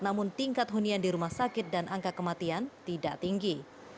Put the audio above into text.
namun tingkat hunian di rumah sakit dan angka kematian tidak tinggi